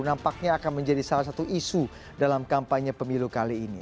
nampaknya akan menjadi salah satu isu dalam kampanye pemilu kali ini